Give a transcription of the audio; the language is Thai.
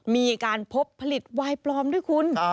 มีการพบผลิตวายปลอมด้วยคุณ